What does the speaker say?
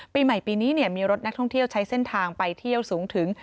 ปีใหม่ปีนี้มีรถนักท่องเที่ยวใช้เส้นทางไปเที่ยวสูงถึง